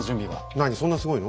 何そんなすごいの？